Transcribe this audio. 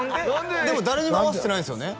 でも誰にも会わせてないんですよね？